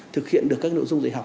thực hiện được các nội dung dạy học